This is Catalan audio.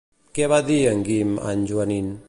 Què va dir en Guim a en Joanín?